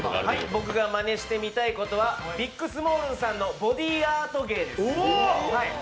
僕がマネしてみたいことはビッグスモールさんのボディアート芸です。